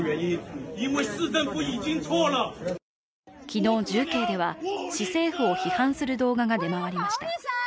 昨日、重慶では市政府を批判する動画が出回りました。